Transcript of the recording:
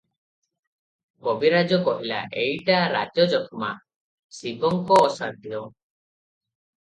କବିରାଜ କହିଲା, ଏଇଟା ରାଜଯକ୍ଷ୍ମା - ଶିବଙ୍କ ଅସାଧ୍ୟ ।